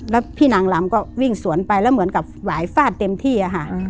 แล้วพี่นางลำก็วิ่งสวนไปแล้วเหมือนกับหวายฟาดเต็มที่ค่ะ